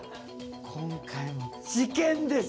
今回も事件です。